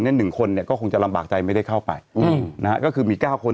หนึ่งคนเนี่ยก็คงจะลำบากใจไม่ได้เข้าไปอืมนะฮะก็คือมีเก้าคน